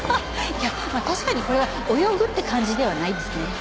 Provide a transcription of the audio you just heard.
いや確かにこれは泳ぐって感じではないですね。